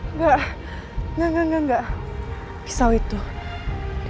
rik aku udah bilang sama tanti